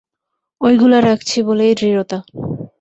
ঐগুলো রাখছি বলেই দৃঢ়তা।